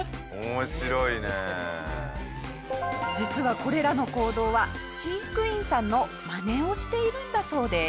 下平：実は、これらの行動は飼育員さんのマネをしているんだそうです。